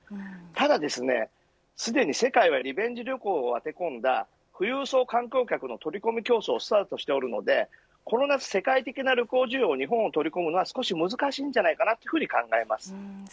ただすでに、世界はリベンジ旅行を当て込んだ富裕層観光客の取り込み競争がスタートしているのでこの夏、世界的な旅行需要に日本が取り込むのは難しいと思います。